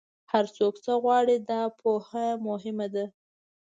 هر څوک څه غواړي، دا پوهه مهمه ده.